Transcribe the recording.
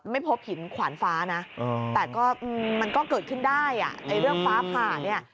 ไม่พบหินขวานฟ้านะแต่ก็มันก็เกิดขึ้นได้เรื่องฟ้าผ่าเนี่ย